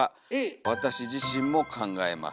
わたし自しんも考えます」。